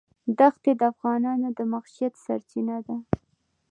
دښتې د افغانانو د معیشت سرچینه ده.